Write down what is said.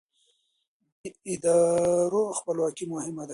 د ادارو خپلواکي مهمه ده